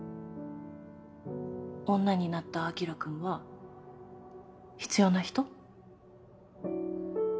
女になった晶君は必要な人？